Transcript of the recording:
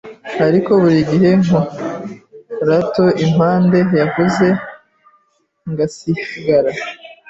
ariko buri gihe nkarota impanda yavuze ngasigara,